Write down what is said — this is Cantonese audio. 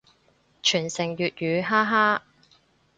傳承粵語，哈哈